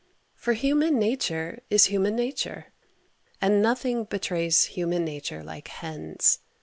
For human nature is human nature and nothing betrays human nature like hens.